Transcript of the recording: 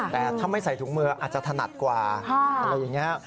แต่ถ้าไม่ใส่ถุงมืออาจจะถนัดกว่าอะไรอย่างนี้